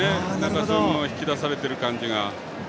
そういうのが引き出されている感じが。